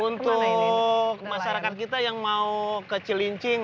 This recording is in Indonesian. untuk masyarakat kita yang mau ke cilincing